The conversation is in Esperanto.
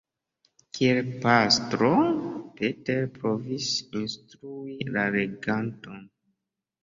Kiel pastro Peter provis instrui la leganton.